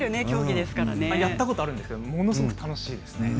やったことあるんですがものすごく楽しいですね。